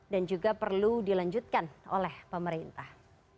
dan juga perlu dilanjutkan oleh pemerintah